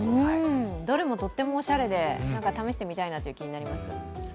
どれもとってもおしゃれで、試してみたいなという気になります。